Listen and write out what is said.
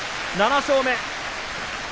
７勝目。